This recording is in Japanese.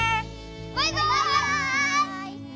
バイバイ！